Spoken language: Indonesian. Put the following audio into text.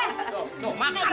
nih lo makan dulu